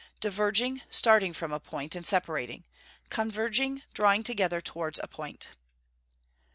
Diverging, starting from a point, and separating. Converging, drawing together towards a point. 464.